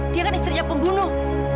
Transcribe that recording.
dia kan istrinya pembunuh